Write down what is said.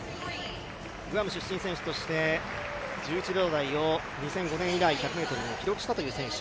グアム出身選手として１１秒台を２００５年以来、１００ｍで記録した選手。